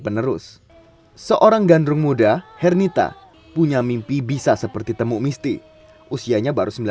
penerus seorang gandrung muda hernita punya mimpi bisa seperti temuk misti usianya baru